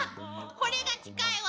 これが近いわ！